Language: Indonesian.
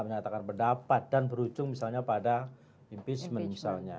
menyatakan pendapat dan berujung misalnya pada impeachment misalnya